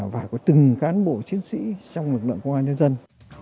và của từng cán bộ chiến sĩ trong lực lượng công an nhân dân